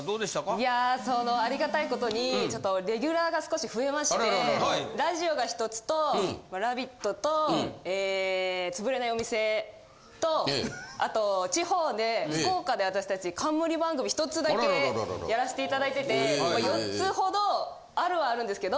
いやありがたい事にちょっとレギュラーが少し増えましてラジオが１つと『ラヴィット！』と『つぶれない店』とあと地方で福岡で私達冠番組１つだけやらしていただいてて４つほどあるはあるんですけど。